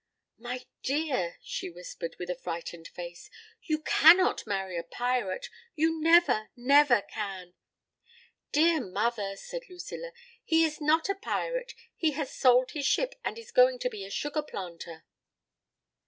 "My dear," she whispered, with a frightened face, "you cannot marry a pirate; you never, never can!" "Dear mother," said Lucilla, "he is not a pirate; he has sold his ship and is going to be a sugar planter."